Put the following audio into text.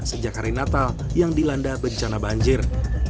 sejak hari natal yang dilanda bencana banjir